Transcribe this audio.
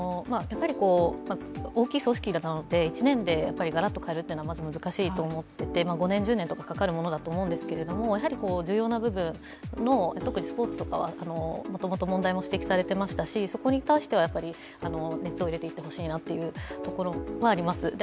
大きい組織なので１年でガラッと変えるのはまず難しいと思っていて、５年、１０年とかかかるものだと思うんですけど、重要な部分の、特にスポーツとかはもともと問題も指摘されていましたしそこに対しては熱を入れていって欲しいなというところはあります。